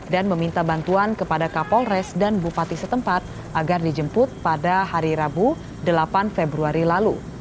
dan meminta bantuan kepada kapol res dan bupati setempat agar dijemput pada hari rabu delapan februari lalu